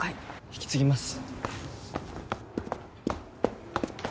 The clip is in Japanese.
引き継ぎます。